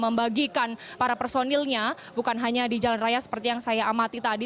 membagikan para personilnya bukan hanya di jalan raya seperti yang saya amati tadi